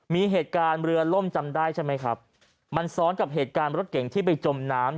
มีเหตุการณ์เรือล่มจำได้ใช่ไหมครับมันซ้อนกับเหตุการณ์รถเก่งที่ไปจมน้ำ